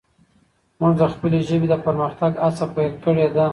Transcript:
موږ د خپلې ژبې د پرمختګ هڅه پیل کړي ده.